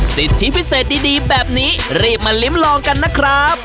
สิทธิพิเศษดีแบบนี้รีบมาลิ้มลองกันนะครับ